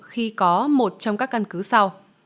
khi có một trong các căn cứ sau